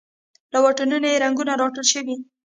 له واټونو یې رنګونه راټول شوې